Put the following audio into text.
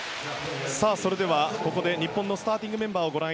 それでは、ここで日本のスターティングメンバーです。